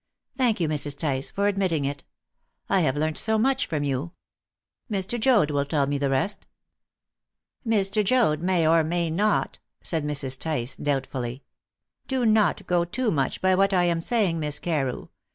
Thank you, Mrs. Tice, for admitting it. I have learnt so much from you. Mr. Joad will tell me the rest." "Mr. Joad may or may not," said Mrs. Tice doubtfully. "Do not go too much by what I am saying, Miss Carew.